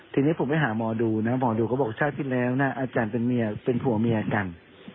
ทีนี้ผมไปหาหมอดูนะหมอดูเขาบอกชาติที่แล้วนะอาจารย์เป็นเมียเป็นผัวเมียกัน